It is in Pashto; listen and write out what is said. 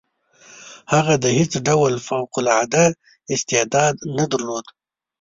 هغه د هیڅ ډول فوق العاده استعداد نه درلود.